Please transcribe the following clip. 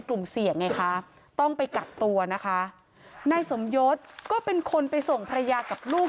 กลุ่มเสี่ยงไงคะต้องไปกักตัวนะคะนายสมยศก็เป็นคนไปส่งภรรยากับลูก